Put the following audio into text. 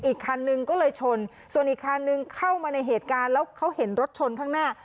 อีกคันนึงก็เลยชนส่วนอีกคันนึงเข้ามาในเหตุการณ์แล้วเขาเห็นรถชนข้างหน้า